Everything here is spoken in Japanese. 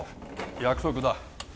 約束だ